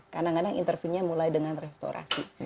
kadang kadang intervenenya mulai dengan restorasi